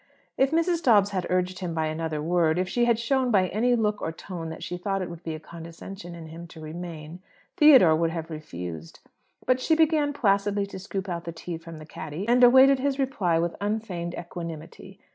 If Mrs. Dobbs had urged him by another word, if she had shown by any look or tone that she thought it would be a condescension in him to remain, Theodore would have refused. But she began placidly to scoop out the tea from the caddy, and awaited his reply with unfeigned equanimity.